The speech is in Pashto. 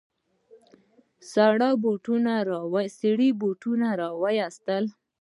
سړي بوټونه وايستل.